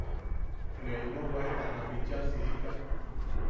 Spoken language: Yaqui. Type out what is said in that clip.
Ne ino waetana bichaa siika.